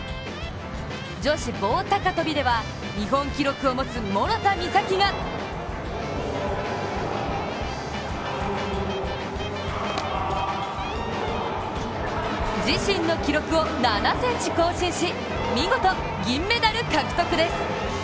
女子棒高跳びでは、日本記録を持つ諸田実咲が自身の記録を７ｃｍ更新し、見事銀メダル獲得です。